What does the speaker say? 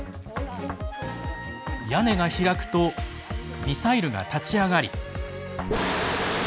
屋根が開くとミサイルが立ち上がり。